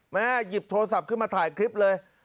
หยิบโทรศัพท์ขึ้นมาถ่ายคลิปเลย